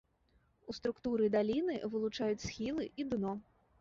У структуры даліны вылучаюць схілы і дно.